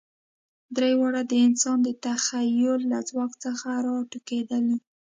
درې واړه د انسان د تخیل له ځواک څخه راټوکېدلي.